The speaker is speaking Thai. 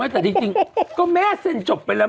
แต่จริงก็แม่เซ็นจบไปแล้ว